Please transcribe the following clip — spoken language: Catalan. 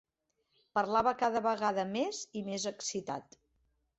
Parlava cada vegada més i més excitat.